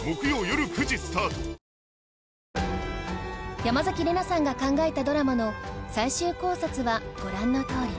山崎怜奈さんが考えたドラマの最終考察はご覧のとおり